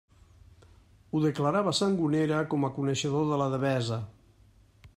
Ho declarava Sangonera, com a coneixedor de la Devesa.